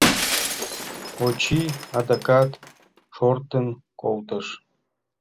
Очи адакат шортын колтыш.